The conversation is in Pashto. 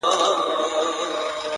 o درته خبره كوم ـ